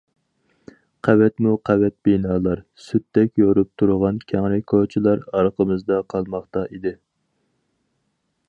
قەۋەتمۇ قەۋەت بىنالار، سۈتتەك يورۇپ تۇرغان كەڭرى كوچىلار ئارقىمىزدا قالماقتا ئىدى.